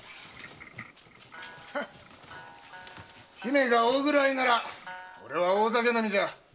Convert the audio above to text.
姫が大食らいならオレは大酒飲みじゃ。